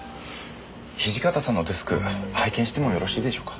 土方さんのデスク拝見してもよろしいでしょうか？